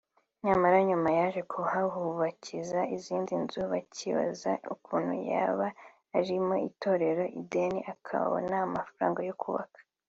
nyamara nyuma yaje kuhubaka izindi nzu bakibaza ukuntu yaba arimo Itorero ideni akabona amafaranga yo kubaka